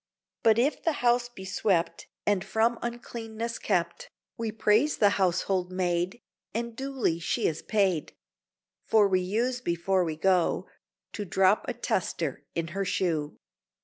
But if the house be swept And from uncleanness kept, We praise the household maid, And duly she is paid; For we use before we go To drop a tester in her shoe.